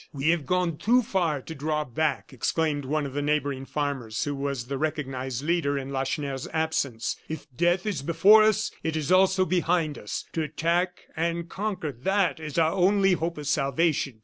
"We have gone too far to draw back," exclaimed one of the neighboring farmers, who was the recognized leader in Lacheneur's absence. "If death is before us, it is also behind us. To attack and conquer that is our only hope of salvation.